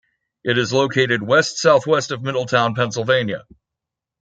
It is located west-southwest of Middletown, Pennsylvania.